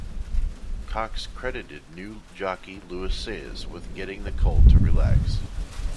Cox credited new jockey Luis Saez with getting the colt to relax.